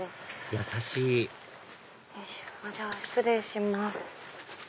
優しいじゃあ失礼します。